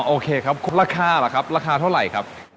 โอเคครับราคาเหรอครับราคาเท่าไหร่ครับ